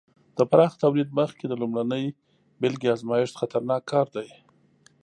د پراخه تولید مخکې د لومړنۍ بېلګې ازمېښت خطرناک کار دی.